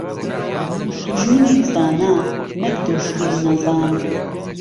دوژمنی زانا، نەک دۆستی نەزان.